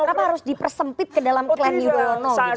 kenapa harus dipersempit ke dalam klan yudhoyono gitu